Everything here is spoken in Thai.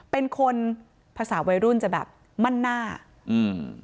เป็นคนภาษาวัยรุ่นจะแบบมั่นหน้าอืม